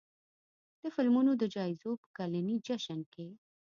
د فلمونو د جایزو په کلني جشن کې